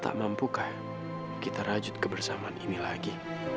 tak mampukah kita rajut kebersamaan ini lagi